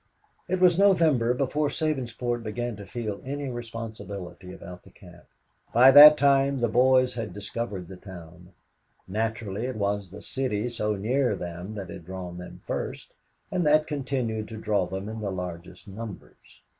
It was November before Sabinsport began to feel any responsibility about the camp. By that time, the boys had discovered the town. Naturally, it was the City so near them that had drawn them first, and that continued to draw them in the largest numbers.